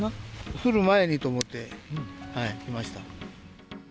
降る前にと思って、来ました。